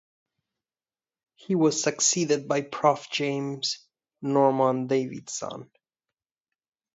He was succeeded by Prof James Norman Davidson.